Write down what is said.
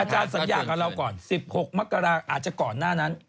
สัญญากับเราก่อน๑๖มกราอาจจะก่อนหน้านั้น